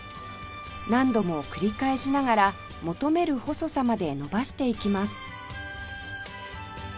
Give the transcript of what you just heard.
何度も繰り返しながら求める細さまで伸ばしていきます